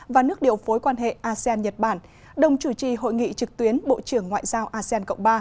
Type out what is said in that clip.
và nước điều phối quan hệ asean nhật bản đồng chủ trì hội nghị trực tuyến bộ trưởng ngoại giao asean cộng ba